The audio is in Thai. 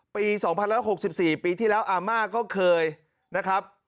ปีสองพันแล้วหกสิบสี่ปีที่แล้วอามาก็เคยนะครับ